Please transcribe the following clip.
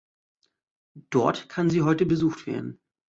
Dort kann sie heute besucht werden.